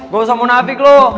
gue sama munafik loh